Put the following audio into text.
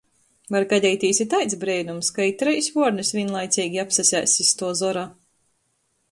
Var gadeitīs i taids breinums, ka i treis vuornys vīnlaiceigi apsasēss iz tuo zora.